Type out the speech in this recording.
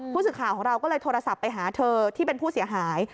ผู้สื่อข่าวของเราก็เลยโทรศัพท์ไปหาเธอที่เป็นผู้เสียหาย